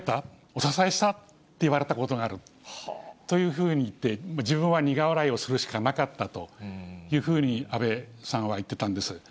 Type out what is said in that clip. お支えした？って言われたことがあるというふうに言って、自分は苦笑いをするしかなかったと、安倍さんは言ってたんです。